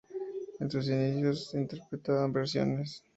En sus inicios interpretaban versiones.